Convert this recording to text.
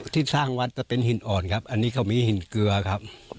ที่สร้างวัดจะเป็นหินอ่อนครับอันนี้เขามีหินเกลือครับ